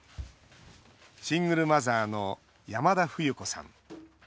シングルマザーの山田冬子さん。